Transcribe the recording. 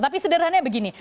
tapi sederhananya begini